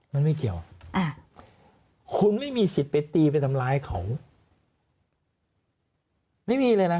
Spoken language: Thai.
มันไม่เกี่ยวอ่าคุณไม่มีสิทธิ์ไปตีไปทำร้ายเขาไม่มีเลยนะ